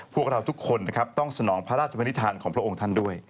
พวกเราทุกคนต้องสนองพระราชบรรทานของพระองค์ท่านด้วย